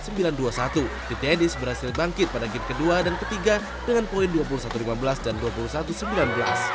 titi edis berhasil bangkit pada game kedua dan ketiga dengan poin dua puluh satu lima belas dan dua puluh satu sembilan belas